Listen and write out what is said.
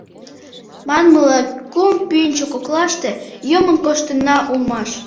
Манмыла, кум пӱнчӧ коклаште йомын коштынна улмаш.